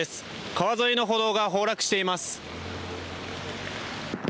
川沿いの歩道が崩落しています。